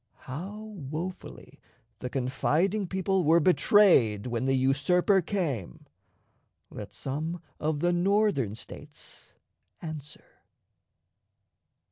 How wofully the confiding people were betrayed when the usurper came, let some of the Northern States answer!